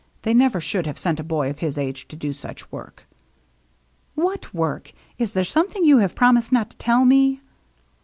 They never should have sent a boy of his age to do such work." "What work? Is there something you have promised not to tell me